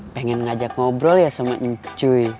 pengen ngajak ngobrol ya sama incuy